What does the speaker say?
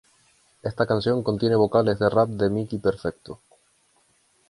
Esta canción contiene vocales del rap de Mikey Perfecto.